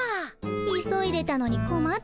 急いでたのにこまったわ。